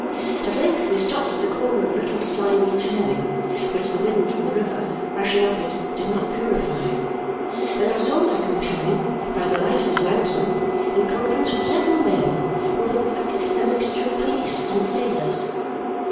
At length we stopped at the corner of a little slimy turning, which the wind from the river, rushing up it, did not purify; and I saw my companion, by the light of his lantern, in conference with several men who looked like a mixture of police and sailors.